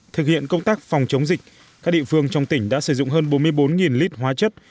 thực hiện công tác phòng chống dịch các địa phương trong tỉnh đã sử dụng hơn bốn mươi bốn lít hóa chất